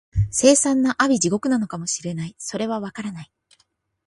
凄惨な阿鼻地獄なのかも知れない、それは、わからない